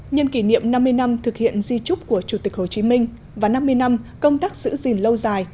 nhân kỷ niệm năm mươi năm thực hiện di trúc của chủ tịch hồ chí minh và năm mươi năm công tác giữ gìn lâu dài